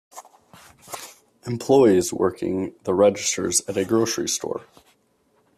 Employees working the registers at a grocery store